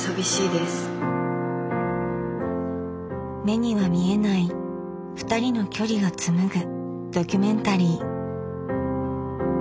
目には見えないふたりの「距離」が紡ぐドキュメンタリー。